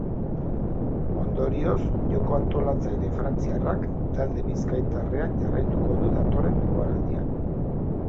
Ondorioz, joko-antolatzaile frantziarrak talde bizkaitarrean jarraituko du datorren denboraldian.